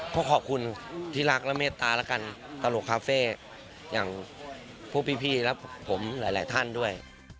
ก็ขอบคุณที่รักและเมตตาและกันตลกคาเฟ่อย่างพวกพี่และผมหลายท่านด้วย